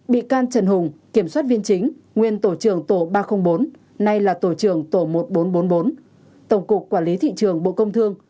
bị can trần hùng kiểm soát viên chính nguyên tổ trưởng tổ ba trăm linh bốn nay là tổ trưởng tổ một nghìn bốn trăm bốn mươi bốn tổng cục quản lý thị trường bộ công thương